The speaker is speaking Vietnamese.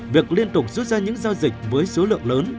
việc liên tục rút ra những giao dịch với số lượng lớn